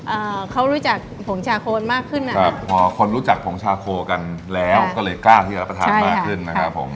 อ่าเขารู้จักผงชาโคมากขึ้นนะครับพอคนรู้จักผงชาโคกันแล้วก็เลยกล้าที่จะรับประทานมากขึ้นนะครับผม